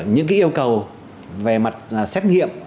những cái yêu cầu về mặt xét nghiệm